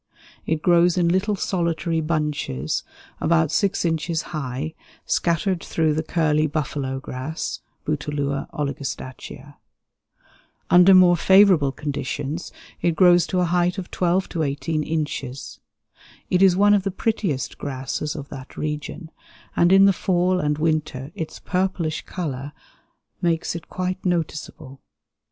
It grows in little solitary bunches, about 6 inches high, scattered through the curly buffalo grass (Bouteloua oligostachya). Under more favorable conditions it grows to a height of 12 to 18 inches. It is one of the prettiest grasses of that region, and in the fall and winter its purplish color makes it quite noticeable.